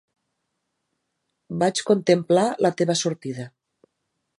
Vaig contemplar la teva sortida.